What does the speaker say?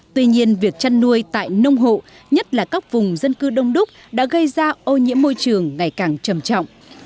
tuy nhiên việc chăn nuôi tại nông hộ nhất là các vùng dân cư đông đúc đã gây ra ô nhiễm môi trường ngày càng trầm trọng